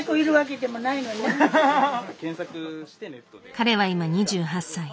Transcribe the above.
彼は今２８歳。